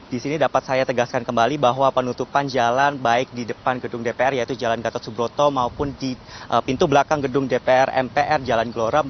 di sini dapat saya tegaskan kembali bahwa penutupan jalan baik di depan gedung dpr yaitu jalan gatot subroto maupun di pintu belakang gedung dpr mpr jalan gelora